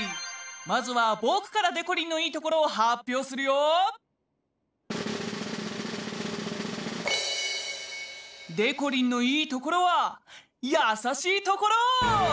まずはぼくからでこりんのいいところをはっぴょうするよ！でこりんのいいところはやさしいところ！